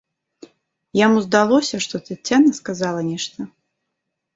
Яму здалося, што Тацяна сказала нешта.